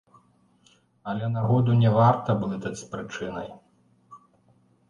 Але нагоду не варта блытаць з прычынай.